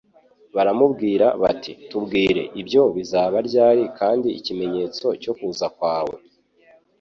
baramubwira bati: «Tubwire ibyo bizaba ryari kandi ikimenyetso cyo kuza kwawe